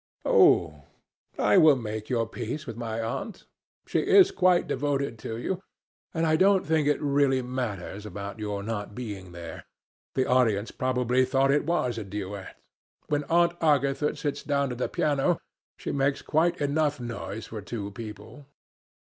"Oh, I will make your peace with my aunt. She is quite devoted to you. And I don't think it really matters about your not being there. The audience probably thought it was a duet. When Aunt Agatha sits down to the piano, she makes quite enough noise for two people."